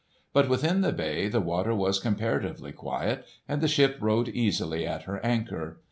But within the bay the water was comparatively quiet, and the ship rode easily at her anchor.